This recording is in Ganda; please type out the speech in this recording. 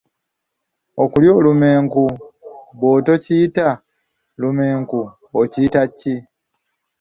Okulya olumenku bw'otokuyita lumenku okiyita ki?